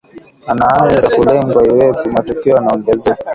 wanaweza kulengwa iwapo matukio yanaongezeka